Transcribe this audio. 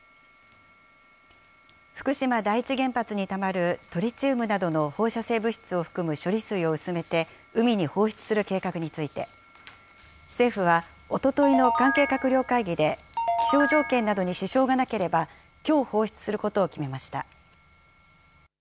福島第一原発にたまるトリチウムなどの放射性物質を含む処理水を薄めて海に放出する計画について、政府はおとといの関係閣僚会議で、気象条件などに支障がなければ、きょう放出することを決めました。